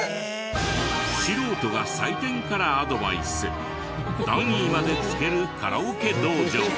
素人が採点からアドバイス段位までつけるカラオケ道場。